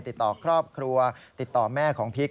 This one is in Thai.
ติดต่อครอบครัวติดต่อแม่ของพีค